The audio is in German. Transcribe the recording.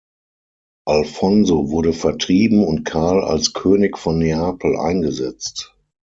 Alfonso wurde vertrieben und Karl als König von Neapel eingesetzt.